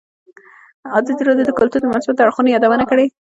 ازادي راډیو د کلتور د مثبتو اړخونو یادونه کړې.